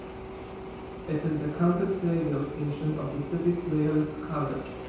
It is the campus radio station of the city's Loyalist College.